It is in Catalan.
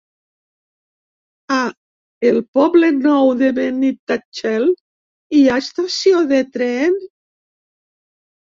A el Poble Nou de Benitatxell hi ha estació de tren?